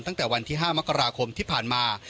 ตั้งแต่วันที่๕มกราคมที่ผ่านมา